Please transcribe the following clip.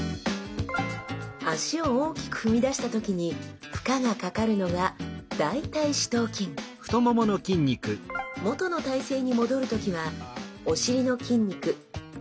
足を大きく踏み出した時に負荷がかかるのが元の体勢に戻る時はお尻の筋肉大臀筋が作用します。